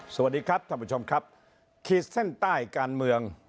สวัสดีครับท่านผู้ชมครับขีดเส้นใต้การเมือง